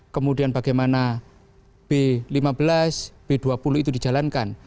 kemudian bagaimana b lima belas b dua puluh itu dijalankan